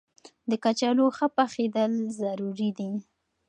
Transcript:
د کچالو ښه پخېدل ضروري دي.